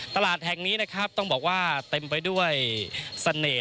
ขนาดกำแพงกำแพงเพชรเลยนะครับ